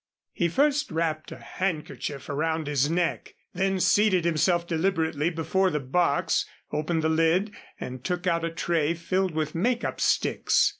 He first wrapped a handkerchief around his neck, then seated himself deliberately before the box, opened the lid and took out a tray filled with make up sticks.